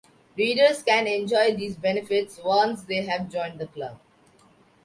Readers can enjoy these benefits once they have joined the club.